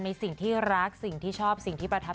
อันไหนก็มีร่มมีอะไรอย่างนี้ค่ะค่ะ